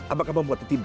apakah membuatnya tidak